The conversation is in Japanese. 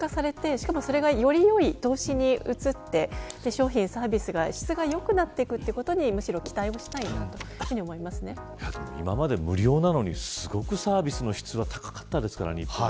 しかも、それがよりよい投資に移って商品、サービスの質が良くなっていくということに今まで無料なのにすごくサービスの質が高かったですからね。